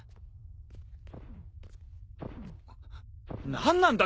何なんだ？